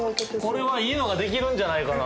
これはいいのができるんじゃないかな。